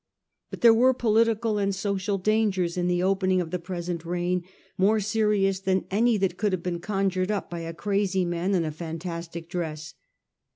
But there were political and social dangers in the opening of the present reign more serious than any that could have been conjured up by a crazy man in a fantastic dress.